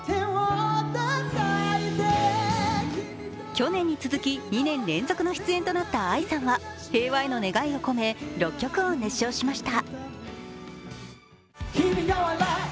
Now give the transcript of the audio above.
去年に続き２年連続の出演となったＡＩさんは平和への願いを込め、６曲を熱唱しました。